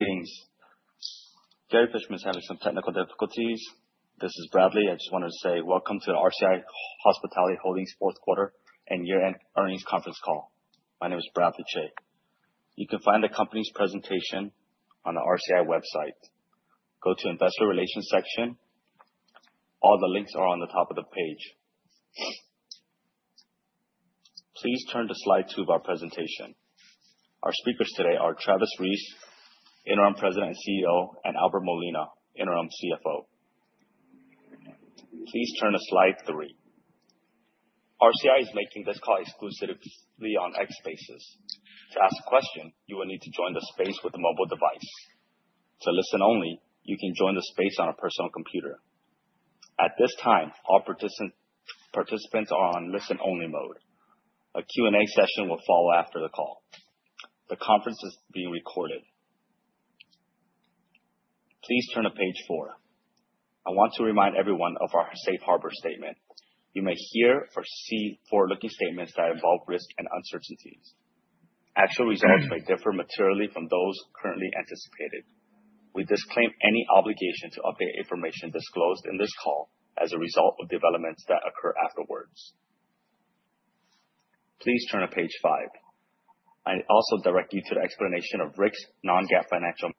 Greetings. Gary Fishner is having some technical difficulties. This is Bradley. I just wanted to say welcome to RCI Hospitality Holdings fourth quarter and year-end earnings conference call. My name is Bradley Chhay. You can find the company's presentation on the RCI website. Go to Investor Relations section. All the links are on the top of the page. Please turn to slide two of our presentation. Our speakers today are Travis Reese, Interim President and CEO, and Albert Molina, Interim CFO. Please turn to slide three. RCI is making this call exclusively on X Spaces. To ask a question, you will need to join the space with a mobile device. To listen only, you can join the space on a personal computer. At this time, all participants are on listen-only mode. A Q&A session will follow after the call. The conference is being recorded. Please turn to page four. I want to remind everyone of our safe harbor statement. You may hear or see forward-looking statements that involve risks and uncertainties. Actual results may differ materially from those currently anticipated. We disclaim any obligation to update information disclosed in this call as a result of developments that occur afterwards. Please turn to page five. I also direct you to the explanation of Rick's non-GAAP financial.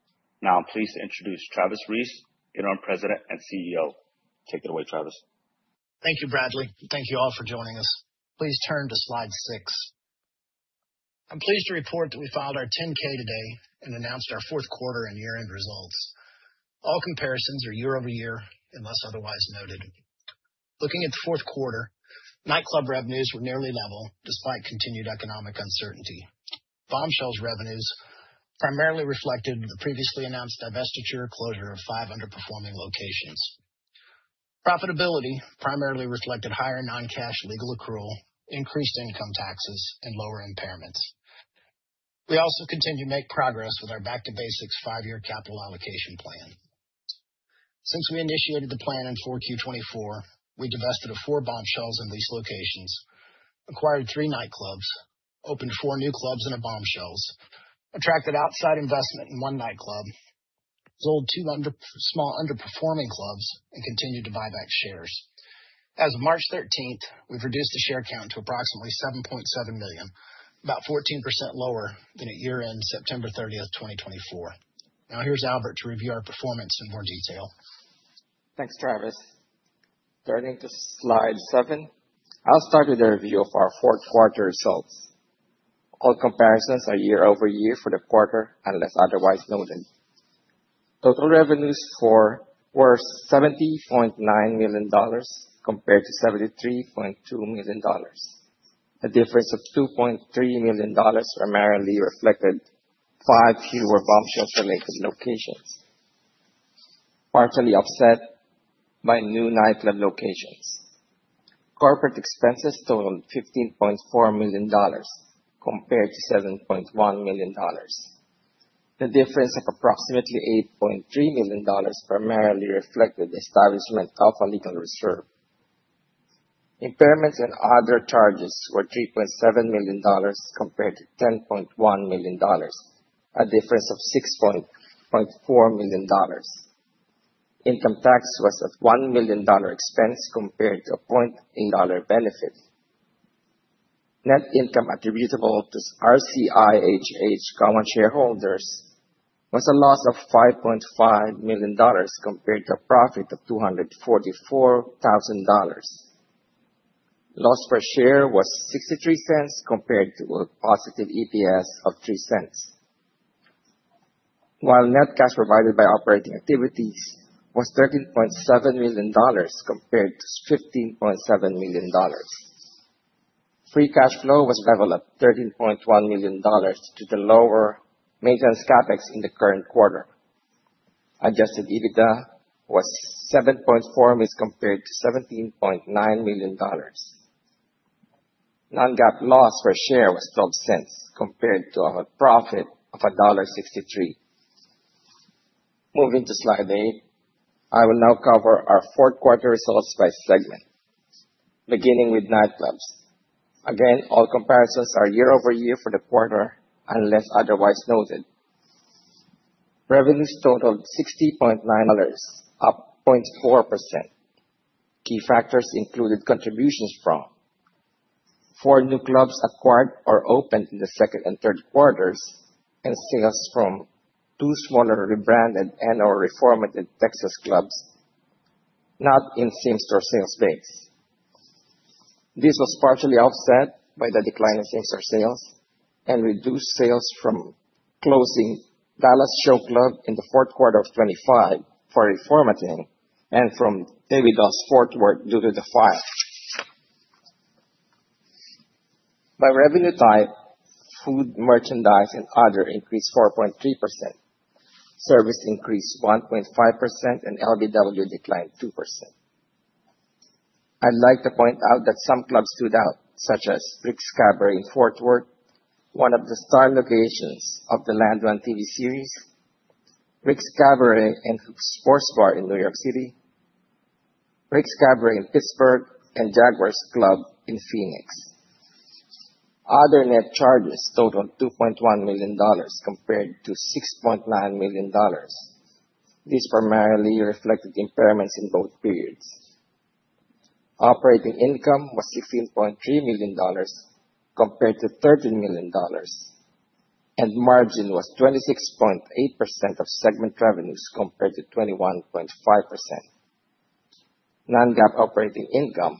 Now I'm pleased to introduce Travis Reese, Interim President and CEO. Take it away, Travis. Thank you, Bradley. Thank you all for joining us. Please turn to slide six. I'm pleased to report that we filed our 10-K today and announced our fourth quarter and year-end results. All comparisons are year-over-year unless otherwise noted. Looking at the fourth quarter, nightclub revenues were nearly level despite continued economic uncertainty. Bombshells revenues primarily reflected the previously announced divestiture closure of five underperforming locations. Profitability primarily reflected higher non-cash legal accruals, increased income taxes, and lower impairments. We also continue to make progress with our back-to-basics five-year capital allocation plan. Since we initiated the plan in Q4 2024, we divested of four Bombshells in leased locations, acquired three nightclubs, opened four new clubs and a Bombshells, attracted outside investment in one nightclub, sold two underperforming clubs, and continued to buy back shares. As of March 13, we've reduced the share count to approximately 7.7 million, about 14% lower than at year-end September 30, 2024. Now here's Albert to review our performance in more detail. Thanks, Travis. Turning to slide seven. I'll start with a review of our fourth quarter results. All comparisons are year-over-year for the quarter unless otherwise noted. Total revenues were $79 million compared to $73.2 million. A difference of $2.3 million primarily reflected five fewer Bombshells-related locations, partially offset by new nightclub locations. Corporate expenses totaled $15.4 million compared to $7.1 million. The difference of approximately $8.3 million primarily reflected the establishment of a legal reserve. Impairments and other charges were $3.7 million compared to $10.1 million, a difference of $6.4 million. Income tax was a $1 million expense compared to a $0.8 million benefit. Net income attributable to RCIHH common shareholders was a loss of $5.5 million compared to a profit of $244,000. Loss per share was $0.63 compared to a positive EPS of $0.03. Net cash provided by operating activities was $13.7 million compared to $15.7 million. Free cash flow was level at $13.1 million due to lower maintenance CapEx in the current quarter. Adjusted EBITDA was $7.4 million compared to $17.9 million. Non-GAAP loss per share was $0.12 compared to a profit of $1.63. Moving to slide eight. I will now cover our fourth quarter results by segment, beginning with nightclubs. Again, all comparisons are year-over-year for the quarter unless otherwise noted. Revenues totaled $60.9, up 0.4%. Key factors included contributions from four new clubs acquired or opened in the second and third quarters and sales from two smaller rebranded and/or reformatted Texas clubs, not in same-store sales base. This was partially offset by the decline in same-store sales and reduced sales from closing Dallas Show Club in the fourth quarter of 2025 for reformatting and from Baby Dolls Fort Worth due to the fire. By revenue type, food, merchandise and other increased 4.3%. Service increased 1.5% and LBW declined 2%. I'd like to point out that some clubs stood out, such as Rick's Cabaret in Fort Worth, one of the star locations of the Landman TV series, Rick's Cabaret in New York City, Rick's Cabaret in Pittsburgh and Jaguars Club in Phoenix. Other net charges totaled $2.1 million compared to $6.9 million. This primarily reflected impairments in both periods. Operating income was $16.3 million compared to $13 million, and margin was 26.8% of segment revenues compared to 21.5%. Non-GAAP operating income,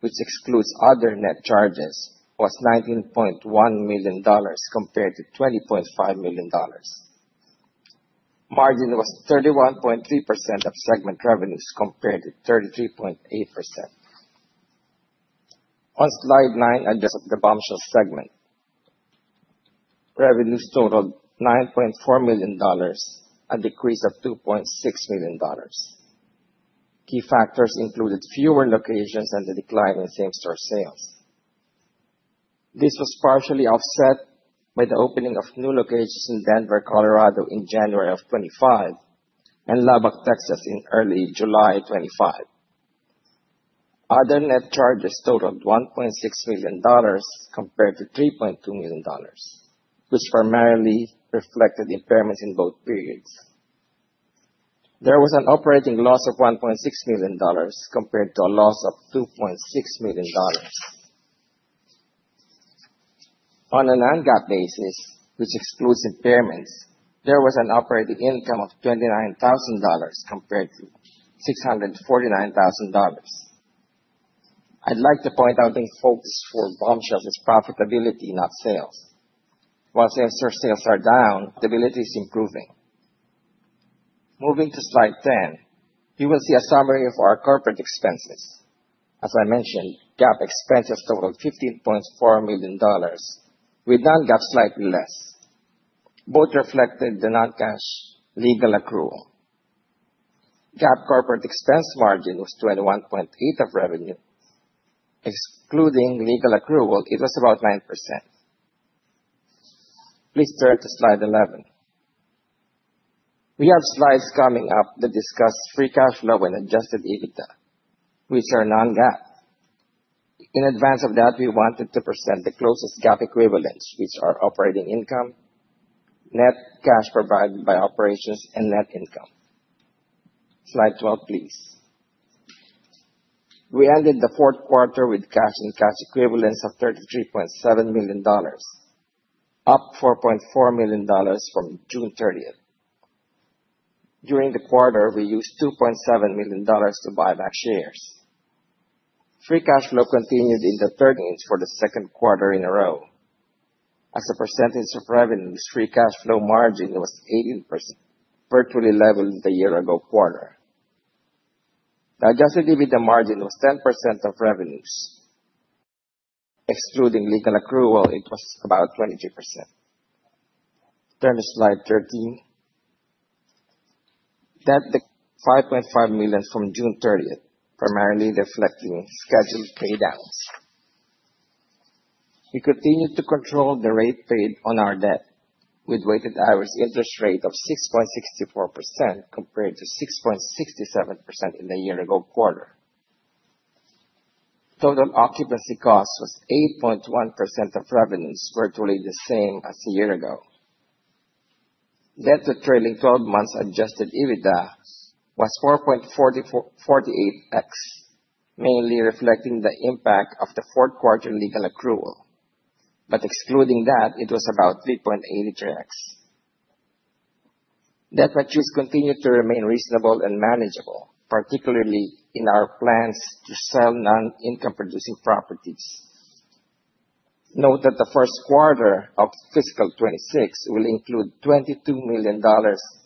which excludes other net charges, was $19.1 million compared to $20.5 million. Margin was 31.3% of segment revenues compared to 33.8%. On slide nine are just the Bombshells segment. Revenues totaled $9.4 million, a decrease of $2.6 million. Key factors included fewer locations and the decline in same-store sales. This was partially offset by the opening of new locations in Denver, Colorado in January 2025 and Lubbock, Texas in early July 2025. Other net charges totaled $1.6 million compared to $3.2 million, which primarily reflected impairments in both periods. There was an operating loss of $1.6 million compared to a loss of $2.6 million. On a non-GAAP basis, which excludes impairments, there was an operating income of $29,000 compared to $649,000. I'd like to point out the focus for Bombshells is profitability, not sales. While same-store sales are down, profitability is improving. Moving to slide 10, you will see a summary of our corporate expenses. As I mentioned, GAAP expenses totaled $15.4 million, with non-GAAP slightly less. Both reflected the non-cash legal accrual. GAAP corporate expense margin was 21.8% of revenue. Excluding legal accrual, it was about 9%. Please turn to slide 11. We have slides coming up that discuss free cash flow and Aa djusted EBITDA, which are non-GAAP. In advance of that, we wanted to present the closest GAAP equivalence, which are operating income, net cash provided by operations and net income. Slide 12, please. We ended the fourth quarter with cash and cash equivalents of $33.7 million, up $4.4 million from June 30. During the quarter, we used $2.7 million to buy back shares. Free cash flow continued in the thirties for the second quarter in a row. As a percentage of revenues, free cash flow margin was 18%, virtually level with the year-ago quarter. The Adjusted EBITDA margin was 10% of revenues. Excluding legal accrual, it was about 23%. Turn to slide 13. Debt declined to $5.5 million from June thirtieth, primarily reflecting scheduled paydowns. We continue to control the rate paid on our debt with weighted average interest rate of 6.64% compared to 6.67% in the year-ago quarter. Total occupancy cost was 8.1% of revenues, virtually the same as a year ago. Debt to trailing twelve months Adjusted EBITDA was 4.4-4.8x, mainly reflecting the impact of the fourth quarter legal accrual. Excluding that, it was about 3.83x. Debt maturities continue to remain reasonable and manageable, particularly in our plans to sell non-income-producing properties. Note that the first quarter of fiscal 2026 will include $22 million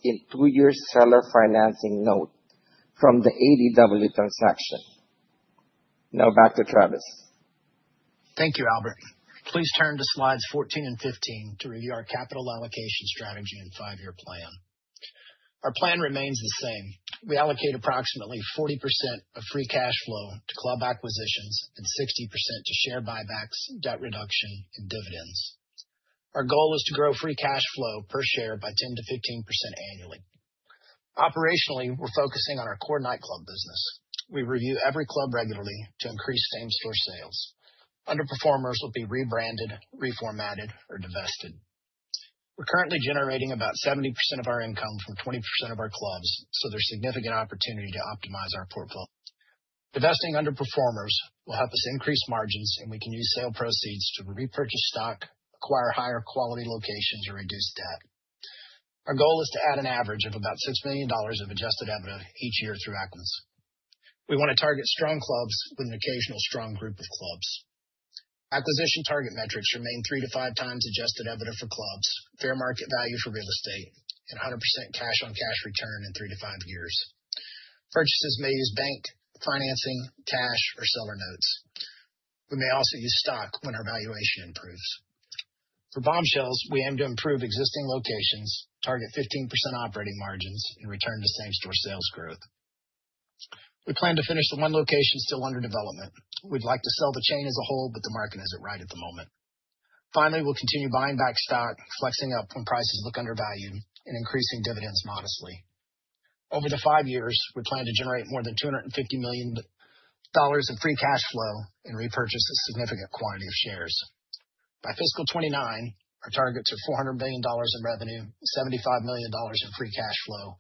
in two-year seller financing note from the ADW transaction. Now back to Travis. Thank you, Albert. Please turn to slides 14 and 15 to review our capital allocation strategy and five-year plan. Our plan remains the same. We allocate approximately 40% of free cash flow to club acquisitions and 60% to share buybacks, debt reduction, and dividends. Our goal is to grow free cash flow per share by 10%-15% annually. Operationally, we're focusing on our core nightclub business. We review every club regularly to increase same-store sales. Underperformers will be rebranded, reformatted, or divested. We're currently generating about 70% of our income from 20% of our clubs, so there's significant opportunity to optimize our portfolio. Divesting underperformers will help us increase margins, and we can use sale proceeds to repurchase stock, acquire higher quality locations or reduce debt. Our goal is to add an average of about $6 million of Adjusted EBITDA each year through acquisitions. We want to target strong clubs with an occasional strong group of clubs. Acquisition target metrics remain three to five times Adjusted EBITDA for clubs, fair market value for real estate, and 100% cash on cash return in three to five years. Purchases may use bank financing, cash, or seller notes. We may also use stock when our valuation improves. For Bombshells, we aim to improve existing locations, target 15% operating margins and return to same-store sales growth. We plan to finish the one location still under development. We'd like to sell the chain as a whole, but the market isn't right at the moment. Finally, we'll continue buying back stock, flexing up when prices look undervalued, and increasing dividends modestly. Over the five years, we plan to generate more than $250 million in free cash flow and repurchase a significant quantity of shares. By fiscal 2029, our targets are $400 billion in revenue, $75 million in free cash flow,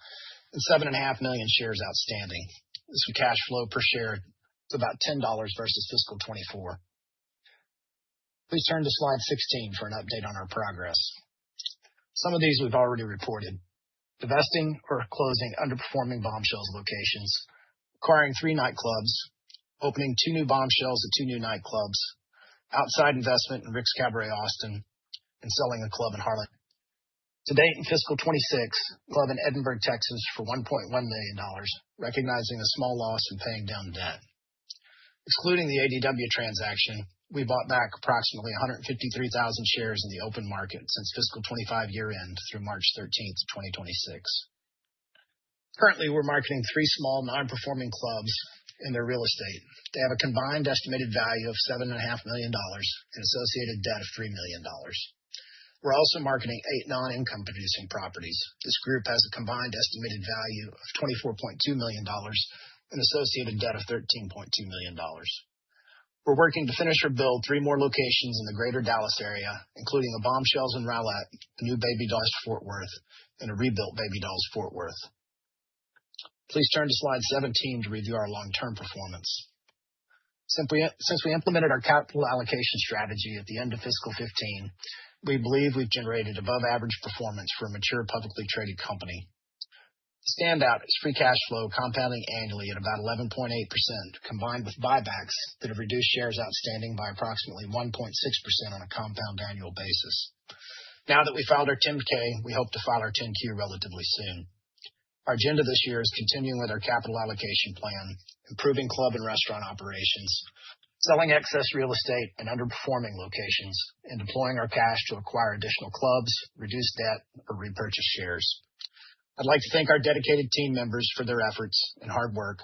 and 7.5 million shares outstanding. This cash flow per share is about $10 versus fiscal 2024. Please turn to slide 16 for an update on our progress. Some of these we've already reported. Divesting or closing underperforming Bombshells locations, acquiring three nightclubs, opening two new Bombshells and two new nightclubs, outside investment in Rick's Cabaret Austin, and selling a club in Harlem. To date, in fiscal 2026, a club in Edinburg, Texas for $1.1 million, recognizing a small loss and paying down debt. Excluding the ADW transaction, we bought back approximately 153,000 shares in the open market since fiscal 2025 year-end through March 13, 2026. Currently, we're marketing three small non-performing clubs and their real estate. They have a combined estimated value of $7.5 million and associated debt of $3 million. We're also marketing eight non-income-producing properties. This group has a combined estimated value of $24.2 million and associated debt of $13.2 million. We're working to finish or build three more locations in the Greater Dallas area, including a Bombshells in Rowlett, a new Baby Dolls Fort Worth, and a rebuilt Baby Dolls Fort Worth. Please turn to slide 17 to review our long-term performance. Since we implemented our capital allocation strategy at the end of fiscal 2015, we believe we've generated above average performance for a mature, publicly traded company. The standout is free cash flow compounding annually at about 11.8%, combined with buybacks that have reduced shares outstanding by approximately 1.6% on a compound annual basis. Now that we filed our 10-K, we hope to file our 10-Q relatively soon. Our agenda this year is continuing with our capital allocation plan, improving club and restaurant operations, selling excess real estate and underperforming locations, and deploying our cash to acquire additional clubs, reduce debt or repurchase shares. I'd like to thank our dedicated team members for their efforts and hard work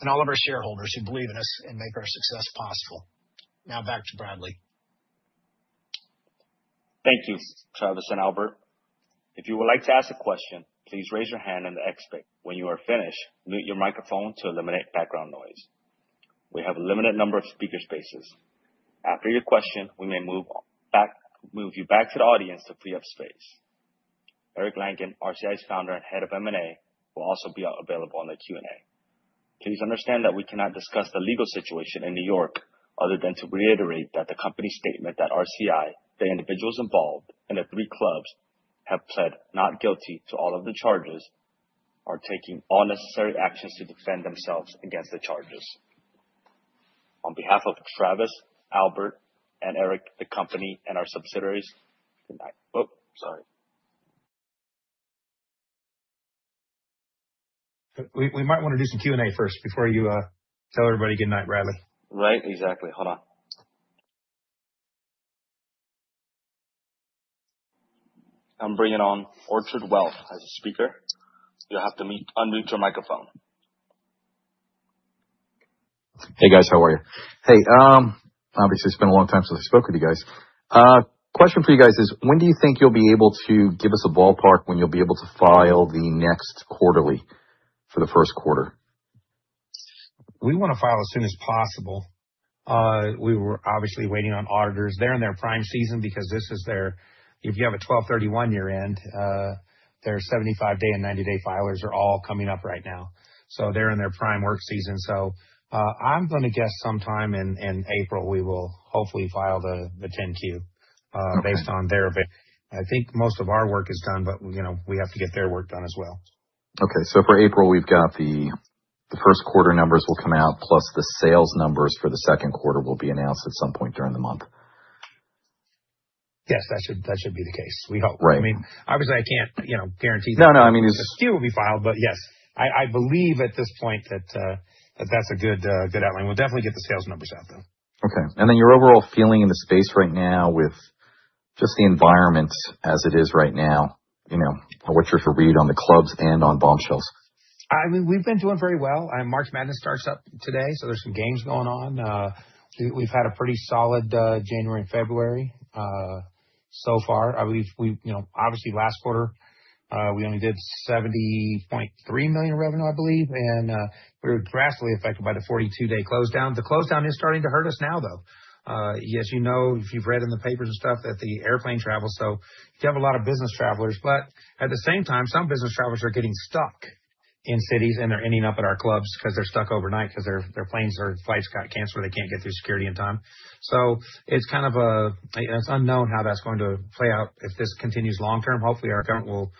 and all of our shareholders who believe in us and make our success possible. Now back to Bradley. Thank you, Travis and Albert. If you would like to ask a question, please raise your hand on the X. When you are finished, mute your microphone to eliminate background noise. We have a limited number of speaker spaces. After your question, we may move you back to the audience to free up space. Eric Langan, RCI's Founder and Head of M&A, will also be available on the Q&A. Please understand that we cannot discuss the legal situation in New York other than to reiterate that the company's statement that RCI, the individuals involved, and the three clubs have pled not guilty to all of the charges, are taking all necessary actions to defend themselves against the charges. On behalf of Travis, Albert, and Eric, the company and our subsidiaries, good night. Oh, sorry. We might wanna do some Q&A first before you tell everybody good night, Bradley. Right. Exactly. Hold on. I'm bringing on Orchard Wealth as a speaker. You'll have to unmute your microphone. Hey, guys. How are you? Hey, obviously it's been a long time since I spoke with you guys. Question for you guys is, when do you think you'll be able to give us a ballpark when you'll be able to file the next quarterly for the first quarter? We wanna file as soon as possible. We were obviously waiting on auditors. They're in their prime season because if you have a 12/31 year-end, their 75-day and 90-day filers are all coming up right now. They're in their prime work season. I'm gonna guess sometime in April, we will hopefully file the 10-Q based on their buy-in. I think most of our work is done, but you know, we have to get their work done as well. Okay. For April, we've got the first quarter numbers will come out, plus the sales numbers for the second quarter will be announced at some point during the month. Yes. That should be the case. We hope. Right. I mean, obviously, I can't, you know, guarantee- No, no, I mean it's The 10-Q will be filed. Yes, I believe at this point that that's a good outline. We'll definitely get the sales numbers out, though. Okay. Your overall feeling in the space right now with just the environment as it is right now. You know, what's your read on the clubs and on Bombshells? I mean, we've been doing very well. March Madness starts up today, so there's some games going on. We've had a pretty solid January and February so far. I believe we—you know, obviously last quarter, we only did $70.3 million revenue, I believe, and we were drastically affected by the 42-day close down. The close down is starting to hurt us now, though. As you know, if you've read in the papers and stuff that the airplane travel, so you have a lot of business travelers. But at the same time, some business travelers are getting stuck in cities, and they're ending up at our clubs 'cause they're stuck overnight 'cause their planes or flights got canceled. They can't get through security in time. It's kind of unknown how that's going to play out if this continues long term. Hopefully, our government will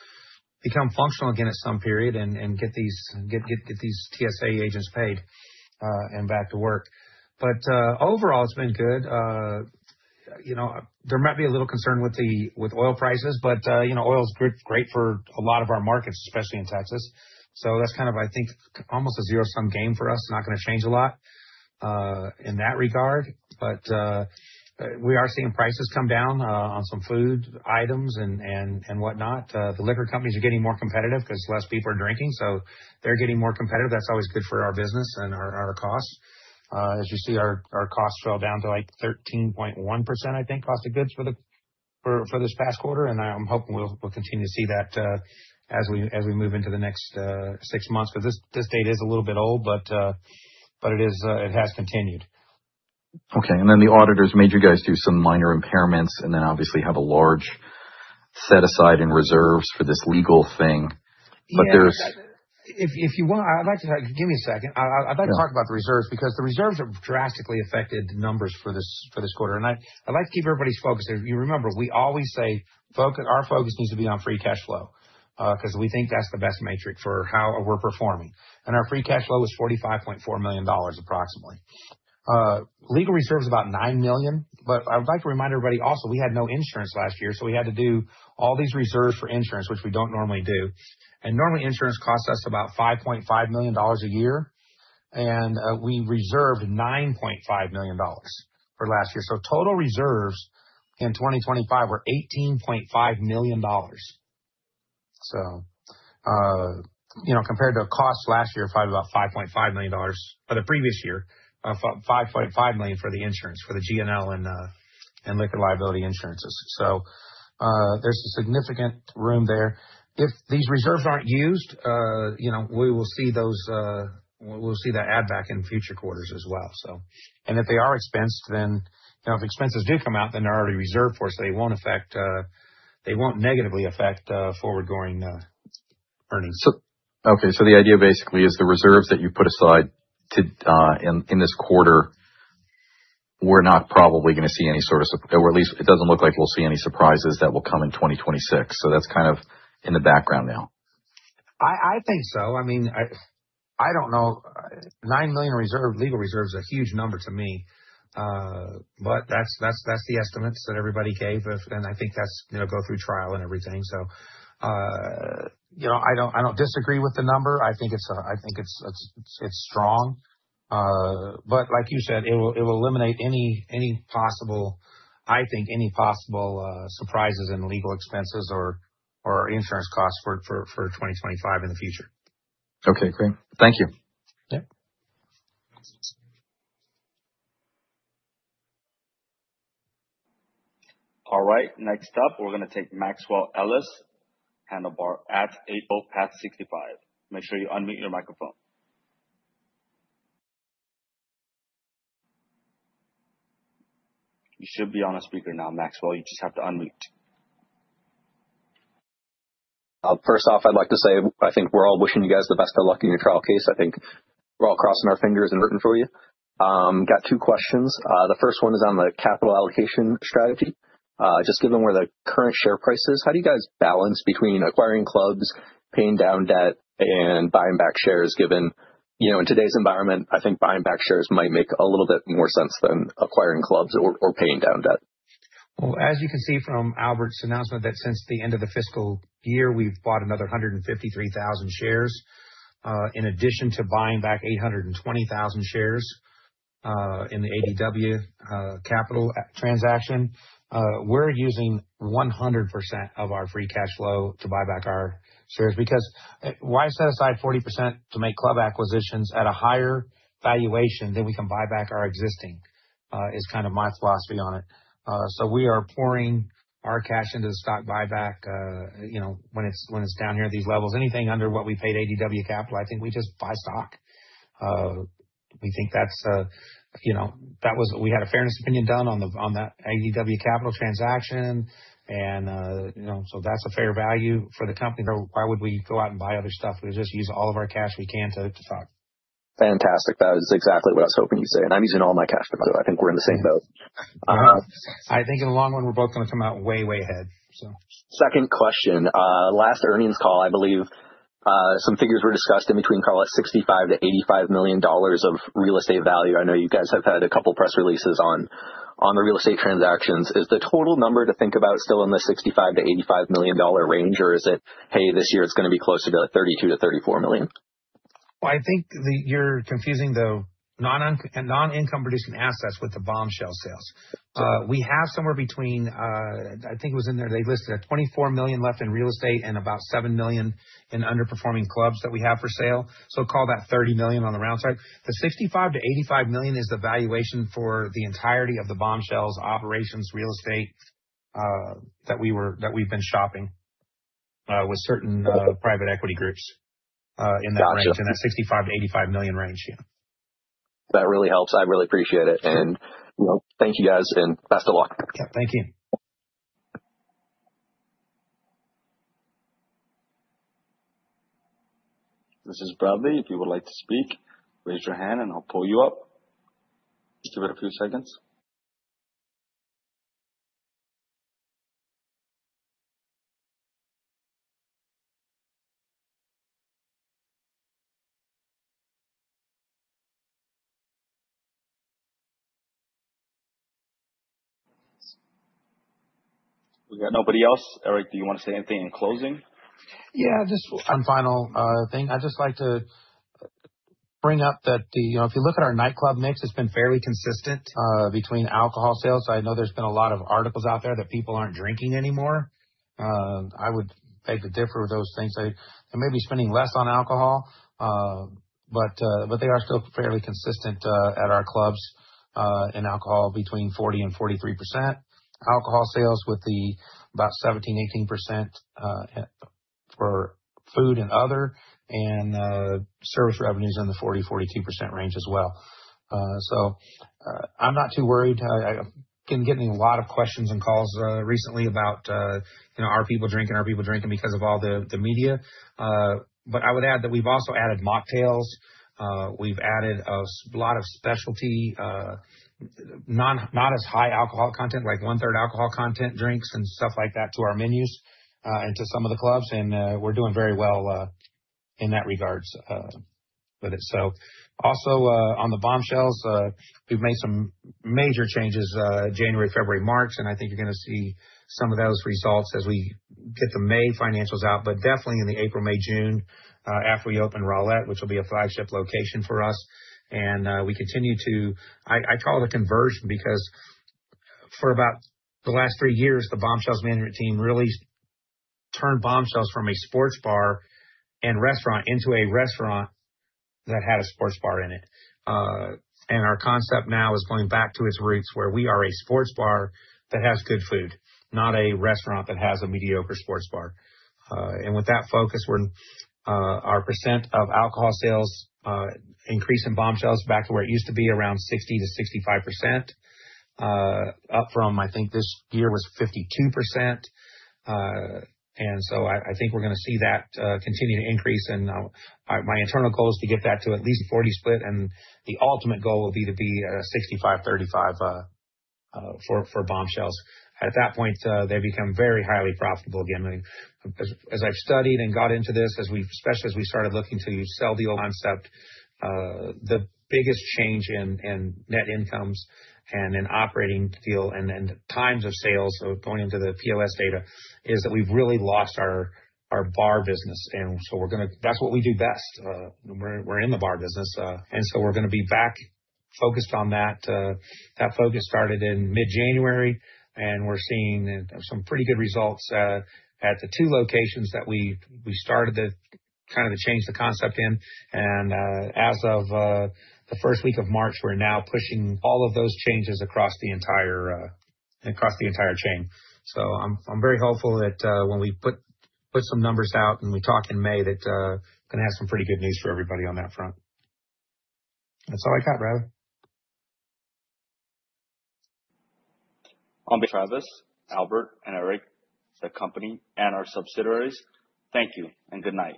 become functional again at some period and get these TSA agents paid and back to work. But overall, it's been good. You know, there might be a little concern with oil prices, but oil is good, great for a lot of our markets, especially in Texas. That's kind of, I think, almost a zero-sum game for us. Not gonna change a lot in that regard. But we are seeing prices come down on some food items and what not. The liquor companies are getting more competitive 'cause less people are drinking, so they're getting more competitive. That's always good for our business and our costs. As you see, our costs fell down to, like, 13.1%, I think, cost of goods for the quarter. For this past quarter, and I'm hoping we'll continue to see that, as we move into the next six months, 'cause this data is a little bit old, but it is, it has continued. Okay. Then the auditors made you guys do some minor impairments and then obviously have a large set aside in reserves for this legal thing. There's- Yeah. If you want, give me a second. Yeah. I'd like to talk about the reserves because the reserves have drastically affected the numbers for this quarter. I'd like to keep everybody's focus. If you remember, we always say our focus needs to be on free cash flow, 'cause we think that's the best metric for how we're performing. Our free cash flow is $45.4 million approximately. Legal reserve is about $9 million. I would like to remind everybody also, we had no insurance last year, so we had to do all these reserves for insurance, which we don't normally do. Normally, insurance costs us about $5.5 million a year. We reserved $9.5 million for last year. Total reserves in 2025 were $18.5 million. you know, compared to a cost last year of about $5.5 million for the previous year, $5.5 million for the insurance, for the G&L and liquor liability insurances. There's a significant room there. If these reserves aren't used, you know, we will see those, we'll see the add back in future quarters as well. If they are expensed, then, you know, if expenses do come out, then they're already reserved for, so they won't affect, they won't negatively affect forward-going earnings. The idea basically is the reserves that you put aside in this quarter. We're not probably gonna see any sort of, or at least it doesn't look like we'll see any surprises that will come in 2026. That's kind of in the background now. I think so. I mean, I don't know. $9 million legal reserve is a huge number to me. But that's the estimates that everybody gave. I think that's, you know, go through trial and everything. You know, I don't disagree with the number. I think it's strong. But like you said, it will eliminate any possible, I think, any possible surprises in legal expenses or insurance costs for 2025 in the future. Okay, great. Thank you. Yeah. All right. Next up, we're gonna take Maxwell Ellis, RBC Capital Markets. Make sure you unmute your microphone. You should be on a speaker now, Maxwell. You just have to unmute. First off, I'd like to say I think we're all wishing you guys the best of luck in your trial case. I think we're all crossing our fingers and rooting for you. Got two questions. The first one is on the capital allocation strategy. Just given where the current share price is, how do you guys balance between acquiring clubs, paying down debt, and buying back shares, given, you know, in today's environment, I think buying back shares might make a little bit more sense than acquiring clubs or paying down debt. Well, as you can see from Albert's announcement that since the end of the fiscal year, we've bought another 153,000 shares in addition to buying back 820,000 shares in the ADW Capital transaction. We're using 100% of our free cash flow to buy back our shares because why set aside 40% to make club acquisitions at a higher valuation than we can buy back our existing? Is kind of my philosophy on it. We are pouring our cash into the stock buyback, you know, when it's down here at these levels. Anything under what we paid ADW Capital, I think we just buy stock. We think that's, you know. We had a fairness opinion done on that ADW Capital transaction and, you know, so that's a fair value for the company. Why would we go out and buy other stuff? We just use all of our cash we can to stock. Fantastic. That is exactly what I was hoping you'd say. I'm using all my cash for stock. I think we're in the same boat. I think in the long run, we're both gonna come out way ahead, so. Second question. Last earnings call, I believe, some figures were discussed in between call it $65-85 million of real estate value. I know you guys have had a couple of press releases on the real estate transactions. Is the total number to think about still in the $65 -85 million range, or is it, hey, this year it's gonna be closer to like $32 -34 million? Well, I think you're confusing the non-income-producing assets with the Bombshells sales. We have somewhere between, I think it was in there, they listed at $24 million left in real estate and about $7 million in underperforming clubs that we have for sale. So call that $30 million on the round side. The $65 -85 million is the valuation for the entirety of the Bombshells operations real estate that we've been shopping with certain private equity groups in that range. Gotcha. In that $65 in -85 million range. Yeah. That really helps. I really appreciate it. You know, thank you, guys, and best of luck. Yeah. Thank you. This is Bradley. If you would like to speak, raise your hand and I'll pull you up. Just give it a few seconds. We got nobody else. Eric, do you wanna say anything in closing? Yeah, just one final thing. I'd just like to bring up that the, you know, if you look at our nightclub mix, it's been fairly consistent between alcohol sales. I know there's been a lot of articles out there that people aren't drinking anymore. I would beg to differ with those things. They may be spending less on alcohol. But they are still fairly consistent at our clubs in alcohol between 40%-43%. Alcohol sales with about 17%-18% for food and other service revenues in the 40%-42% range as well. I'm not too worried. I've been getting a lot of questions and calls recently about, you know, are people drinking because of all the media. I would add that we've also added mocktails. We've added a lot of specialty, not as high alcohol content, like one-third alcohol content drinks and stuff like that to our menus, and to some of the clubs. We're doing very well in that regard with it. Also, on the Bombshells, we've made some major changes January, February, March, and I think you're gonna see some of those results as we get the May financials out, but definitely in the April, May, June after we open Rowlett, which will be a flagship location for us. We continue to. I call it a conversion because for about the last three years, the Bombshells management team really turned Bombshells from a sports bar and restaurant into a restaurant that had a sports bar in it. Our concept now is going back to its roots, where we are a sports bar that has good food, not a restaurant that has a mediocre sports bar. With that focus, we're our percent of alcohol sales increase in Bombshells back to where it used to be, around 60%-65%, up from, I think this year was 52%. I think we're gonna see that continue to increase. My internal goal is to get that to at least a 40 split, and the ultimate goal would be to be a 65/35 for Bombshells. At that point, they become very highly profitable again. As I've studied and got into this, especially as we started looking to sell the old concept, the biggest change in net incomes and in operating detail and in terms of sales, so going into the POS data, is that we've really lost our bar business. That's what we do best. We're in the bar business. We're gonna be back focused on that. That focus started in mid-January, and we're seeing some pretty good results at the two locations where we've started to kind of change the concept in. As of the first week of March, we're now pushing all of those changes across the entire chain. I'm very hopeful that when we put some numbers out and we talk in May, that gonna have some pretty good news for everybody on that front. That's all I got, Brad. On behalf of Travis, Albert, and Eric, the company and our subsidiaries, thank you and good night.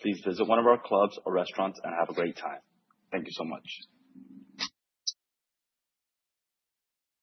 Please visit one of our clubs or restaurants and have a great time. Thank you so much.